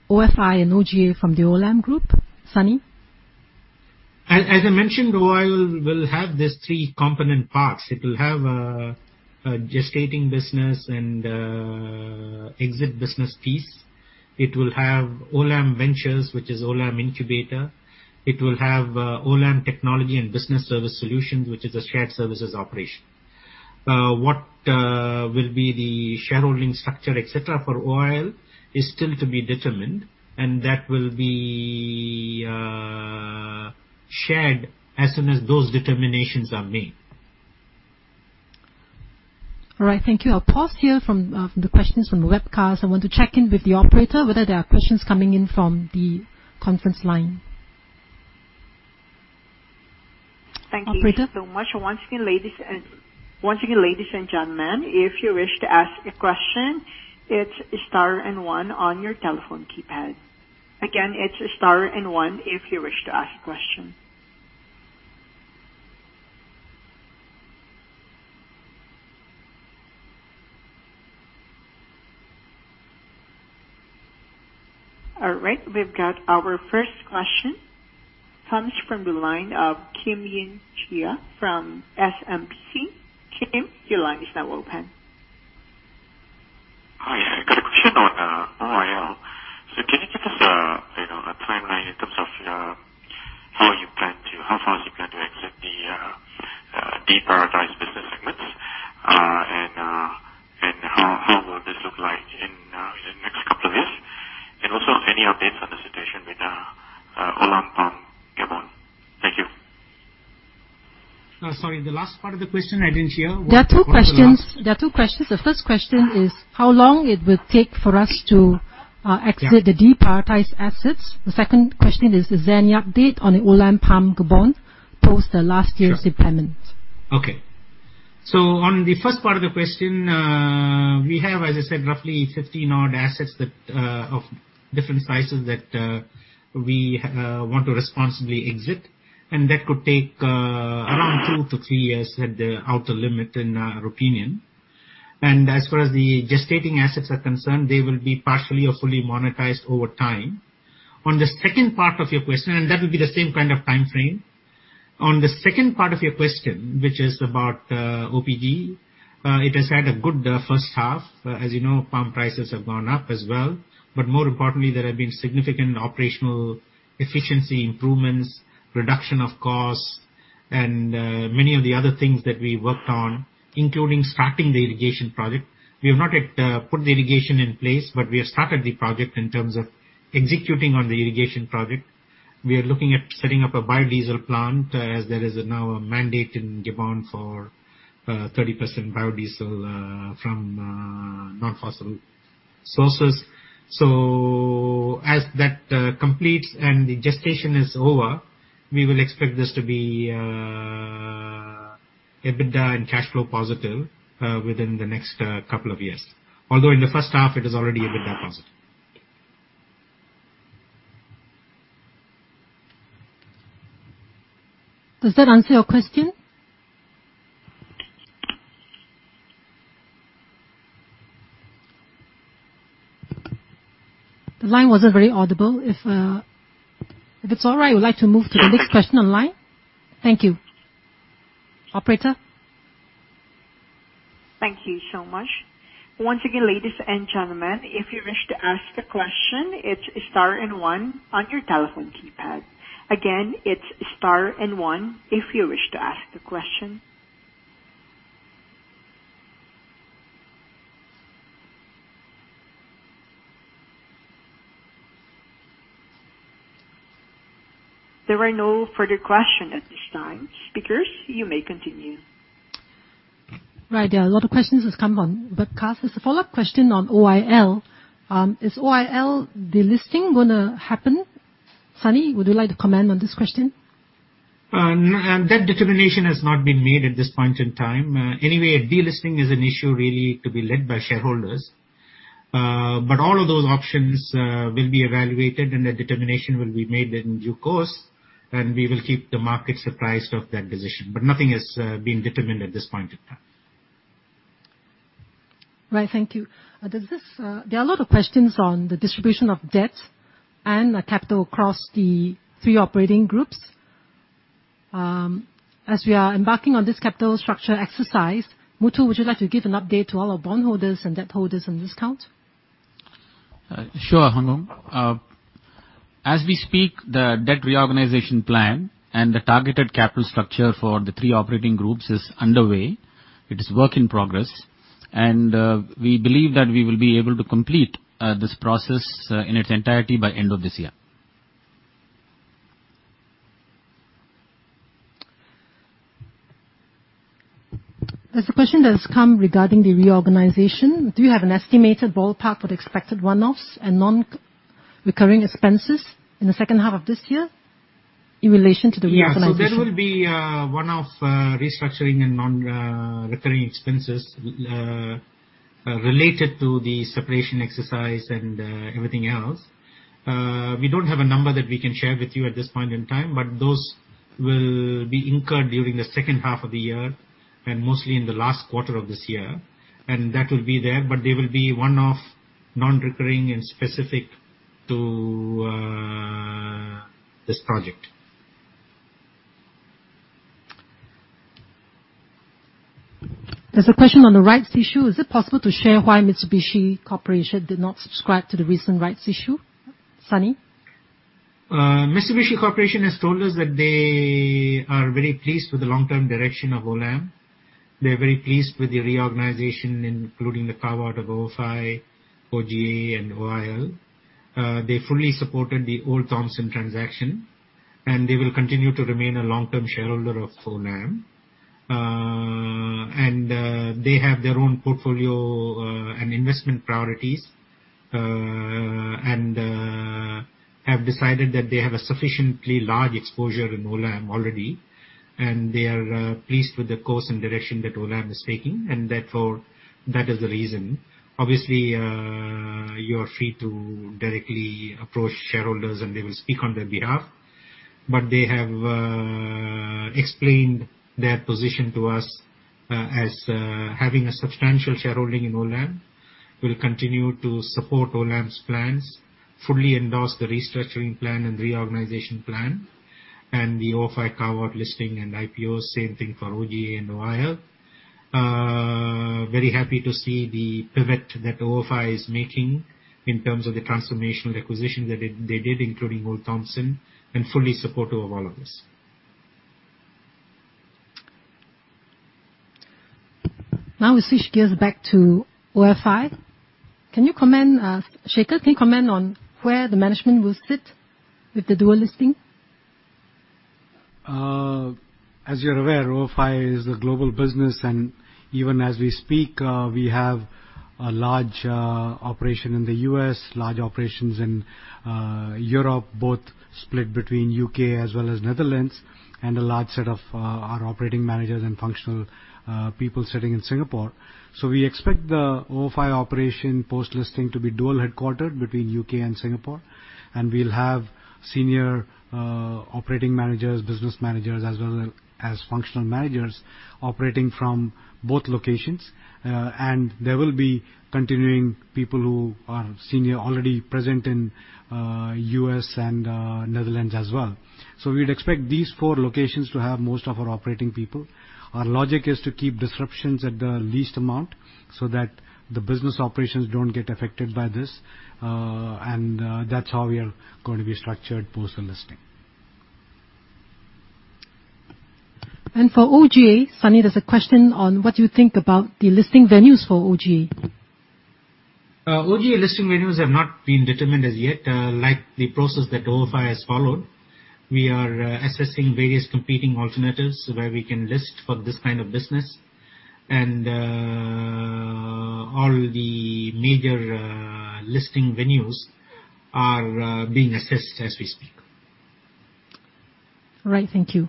OFI and OGA from the Olam group? Sunny?
As I mentioned, OIL will have these three component parts. It will have a gestating business and exit business piece. It will have Olam Ventures, which is Olam incubator. It will have Olam Technology and Business Service Solutions, which is a shared services operation. What will be the shareholding structure, et cetera, for OIL is still to be determined, and that will be shared as soon as those determinations are made.
All right. Thank you. I'll pause here from the questions from the webcast. I want to check in with the operator whether there are questions coming in from the conference line.
Thank you so much. Once again, ladies and gentlemen, if you wish to ask a question, press star and one on your telephone keypad. Again, press star and one if you wish to ask a question. All right. We've got our first question. Comes from the line of Kim Yen Chia from SMBC. Kim, your line is now open.
Hi. I got a question on OIL. Can you give us a timeline in terms of how fast you plan to exit the deprioritized business segments? How will this look like in the next couple of years? Also if any updates on the situation with Olam Palm Gabon. Thank you.
Sorry, the last part of the question I didn't hear. What was the last-
There are two questions. The first question is how long it will take for us to exit the deprioritized assets. The second question is there any update on the Olam Palm Gabon post the last year's impairment?
Okay. on the first part of the question, we have, as I said, roughly 15-odd assets of different sizes that we want to responsibly exit. that could take around two to three years at the outer limit, in our opinion. as far as the gestating assets are concerned, they will be partially or fully monetized over time. On the second part of your question, which is about OPG, it has had a good first half. As you know, palm prices have gone up as well. more importantly, there have been significant operational efficiency improvements, reduction of cost, and many of the other things that we worked on, including starting the irrigation project. We have not yet put the irrigation in place, but we have started the project in terms of executing on the irrigation project. We are looking at setting up a biodiesel plant as there is now a mandate in Gabon for 30% biodiesel from non-fossil sources. As that completes and the gestation is over, we will expect this to be EBITDA and cash flow positive within the next couple of years. Although in the first half it is already EBITDA positive.
Does that answer your question? The line wasn't very audible. If it's all right, I would like to move to the next question on line. Thank you. Operator?
Thank you so much. Once again, ladies and gentlemen, if you wish to ask a question, press star and one on your telephone keypad. Again, press star and one if you wish to ask a question. There are no further question at this time. Speakers, you may continue.
Right. A lot of questions have come on. But, there's a follow-up question on OIL. Is OIL delisting going to happen? Sunny, would you like to comment on this question?
That determination has not been made at this point in time. Anyway, a delisting is an issue really to be led by shareholders. All of those options will be evaluated and a determination will be made in due course, and we will keep the market apprised of that decision. Nothing has been determined at this point in time.
Right. Thank you. There are a lot of questions on the distribution of debt and the capital across the three operating groups. We are embarking on this capital structure exercise, Muthu, would you like to give an update to all our bondholders and debtholders on this count?
Sure, Hung. As we speak, the debt reorganization plan and the targeted capital structure for the three operating groups is underway. It is work in progress. We believe that we will be able to complete this process in its entirety by end of this year.
There's a question that has come regarding the reorganization. Do you have an estimated ballpark for the expected one-offs and non-recurring expenses in the second half of this year in relation to the reorganization?
Yeah. There will be one-off restructuring and non-recurring expenses related to the separation exercise and everything else. We don't have a number that we can share with you at this point in time, but those will be incurred during the second half of the year and mostly in the last quarter of this year. That will be there, but they will be one-off, non-recurring, and specific to this project.
There's a question on the rights issue. Is it possible to share why Mitsubishi Corporation did not subscribe to the recent rights issue? Sunny?
Mitsubishi Corporation has told us that they are very pleased with the long-term direction of Olam. They're very pleased with the reorganization, including the carve-out of OFI, OGA and OIL. They fully supported the Olde Thompson transaction, and they will continue to remain a long-term shareholder of Olam. They have their own portfolio, and investment priorities, and have decided that they have a sufficiently large exposure in Olam already, and they are pleased with the course and direction that Olam is taking. Therefore, that is the reason. Obviously, you are free to directly approach shareholders and they will speak on their behalf. But they have explained their position to us as having a substantial shareholding in Olam, will continue to support Olam's plans, fully endorse the restructuring plan and reorganization plan, and the OFI carve-out listing and IPO, same thing for OGA and OIL. Very happy to see the pivot that OFI is making in terms of the transformational acquisition that they did, including Olde Thompson, and fully supportive of all of this.
Now we switch gears back to OFI. Shekhar, can you comment on where the management will sit with the dual listing?
As you're aware, OFI is a global business, and even as we speak, we have a large operation in the U.S., large operations in Europe, both split between U.K. as well as Netherlands, and a large set of our operating managers and functional people sitting in Singapore. We expect the OFI operation post-listing to be dual-headquartered between U.K. and Singapore, and we'll have senior operating managers, business managers, as well as functional managers operating from both locations. There will be continuing people who are senior already present in U.S. and Netherlands as well. We'd expect these four locations to have most of our operating people. Our logic is to keep disruptions at the least amount so that the business operations don't get affected by this. That's how we are going to be structured post the listing.
For OGA, Sunny, there's a question on what you think about the listing venues for OGA.
OGA listing venues have not been determined as yet, like the process that OFI has followed. We are assessing various competing alternatives where we can list for this kind of business. All the major listing venues are being assessed as we speak.
Right. Thank you.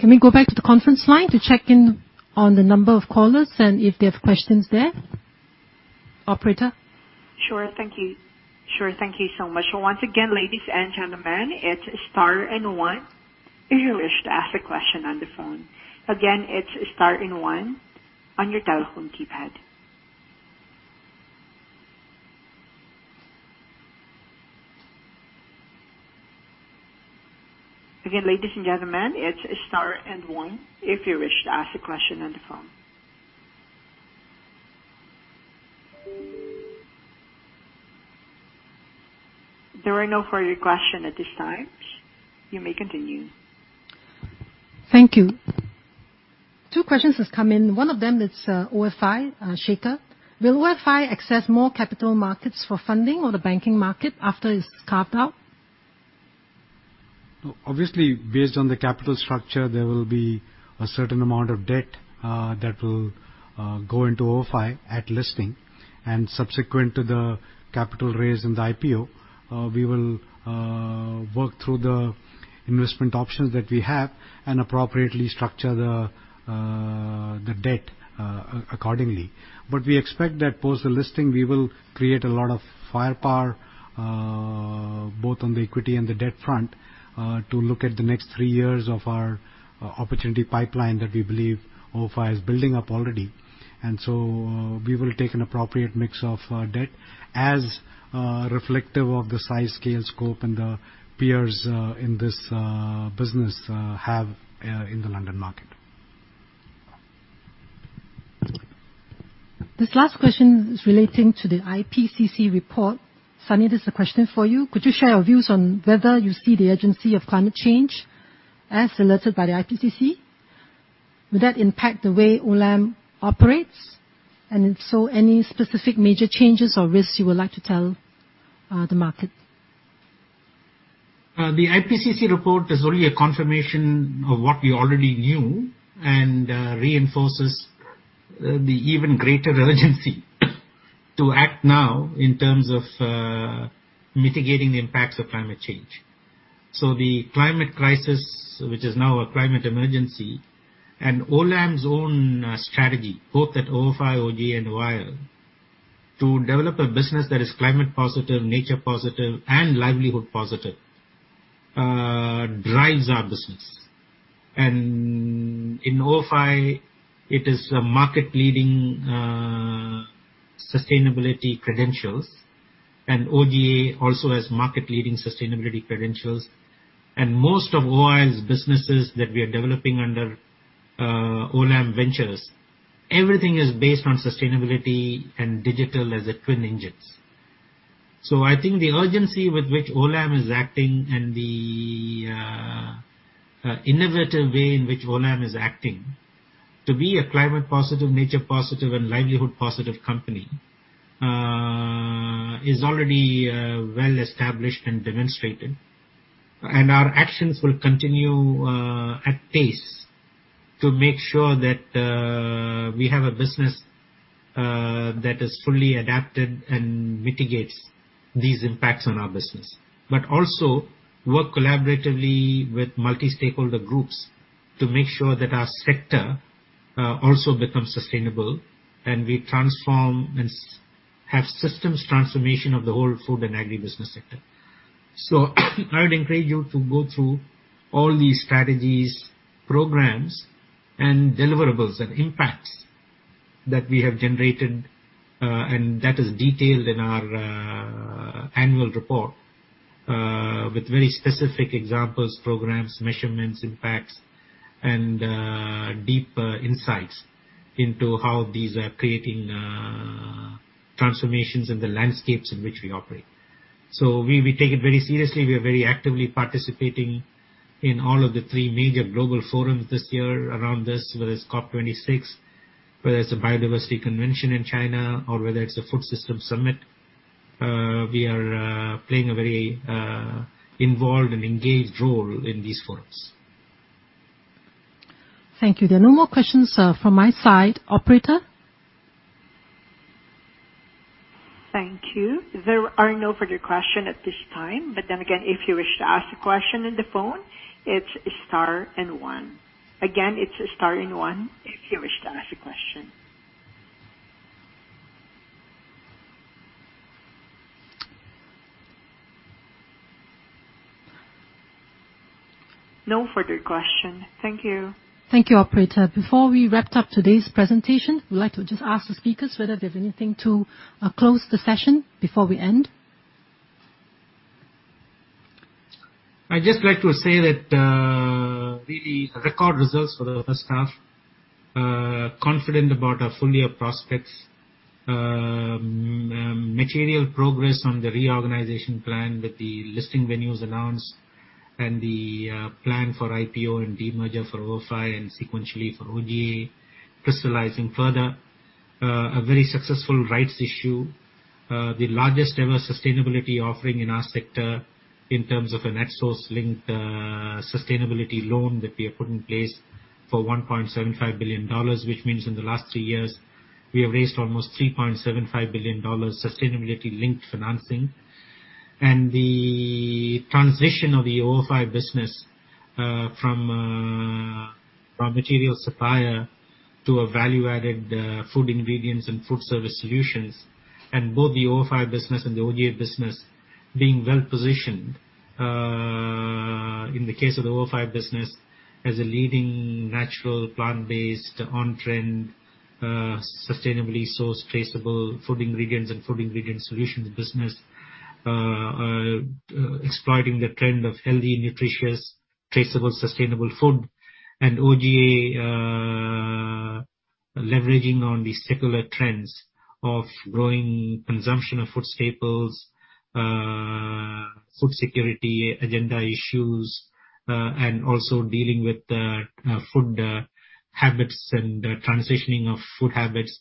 Can we go back to the conference line to check in on the number of callers and if they have questions there? Operator?
Sure. Thank you so much. Once again, ladies and gentlemen, press star and one if you wish to ask a question on the phone. Again, press star and one on your telephone keypad. Again, ladies and gentlemen, press star and one if you wish to ask a question on the phone. There are no further question at this time. You may continue.
Thank you. Two questions has come in. One of them is OFI, Shekhar. Will OFI access more capital markets for funding or the banking market after it's carved out?
Obviously, based on the capital structure, there will be a certain amount of debt that will go into OFI at listing. Subsequent to the capital raise in the IPO, we will work through the investment options that we have and appropriately structure the debt accordingly. We expect that post the listing, we will create a lot of firepower, both on the equity and the debt front, to look at the next three years of our opportunity pipeline that we believe OFI is building up already. We will take an appropriate mix of debt as reflective of the size, scale, scope, and the peers in this business have in the London market.
This last question is relating to the IPCC report. Sunny, this is a question for you. Could you share your views on whether you see the urgency of climate change as alerted by the IPCC? Would that impact the way Olam operates? If so, any specific major changes or risks you would like to tell the market?
The IPCC report is only a confirmation of what we already knew and reinforces the even greater urgency to act now in terms of mitigating the impacts of climate change. The climate crisis, which is now a climate emergency, and Olam's own strategy, both at OFI, OG and OIL, to develop a business that is climate positive, nature positive, and livelihood positive, drives our business. In OFI, it is a market leading sustainability credentials, and OGA also has market leading sustainability credentials. Most of OIL's businesses that we are developing under Olam Ventures, everything is based on sustainability and digital as the twin engines. I think the urgency with which Olam is acting and the innovative way in which Olam is acting to be a climate positive, nature positive and livelihood positive company is already well established and demonstrated. Our actions will continue at pace to make sure that we have a business that is fully adapted and mitigates these impacts on our business. Also work collaboratively with multi-stakeholder groups to make sure that our sector also becomes sustainable and we transform and have systems transformation of the whole food and agribusiness sector. I would encourage you to go through all these strategies, programs, and deliverables and impacts that we have generated, and that is detailed in our annual report with very specific examples, programs, measurements, impacts, and deeper insights into how these are creating transformations in the landscapes in which we operate. We take it very seriously. We are very actively participating in all of the three major global forums this year around this, whether it's COP 26, whether it's the Biodiversity Convention in China or whether it's the Food Systems Summit. We are playing a very involved and engaged role in these forums.
Thank you. There are no more questions from my side. Operator?
Thank you. There are no further question at this time. again, if you wish to ask a question on the phone, press star and one. Again, press star and one if you wish to ask a question. No further question. Thank you.
Thank you, operator. Before we wrap up today's presentation, we'd like to just ask the speakers whether there's anything to close the session before we end.
I'd just like to say that the record results for the first half, confident about our full year prospects, material progress on the reorganization plan with the listing venues announced and the plan for IPO and demerger for OFI and sequentially for OGA crystallizing further. A very successful rights issue, the largest ever sustainability offering in our sector in terms of a sustainability-linked loan that we have put in place for $1.75 billion. Which means in the last three years we have raised almost $3.75 billion sustainability linked financing. The transition of the OFI business from material supplier to a value added food ingredients and food service solutions, and both the OFI business and the OGA business being well positioned. In the case of the OFI business as a leading natural, plant-based, on trend, sustainably sourced, traceable food ingredients and food ingredient solutions business, exploiting the trend of healthy, nutritious, traceable, sustainable food. OGA leveraging on the secular trends of growing consumption of food staples, food security agenda issues, and also dealing with food habits and transitioning of food habits.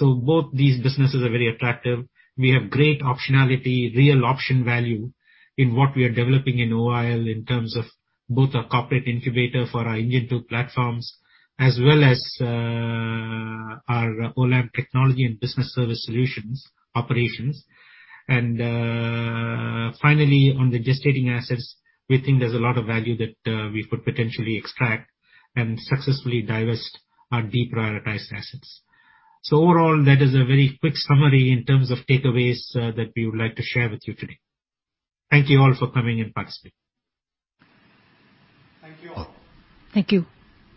Both these businesses are very attractive. We have great optionality, real option value in what we are developing in OIL in terms of both our corporate incubator for our Engine Two platforms, as well as our Olam technology and business service solutions operations. Finally, on the gestating assets, we think there's a lot of value that we could potentially extract and successfully divest our deprioritized assets. Overall, that is a very quick summary in terms of takeaways that we would like to share with you today. Thank you all for coming and participating.
Thank you all.
Thank you